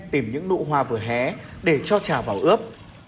tìm những nụ hoa vừa hé để cho trà vào ướp